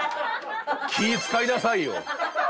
気ぃ使いなさいよ！